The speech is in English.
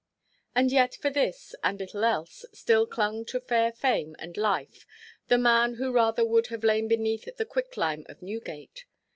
And yet for this, and little else, still clung to fair fame and life the man who rather would have lain beneath the quick–lime of Newgate.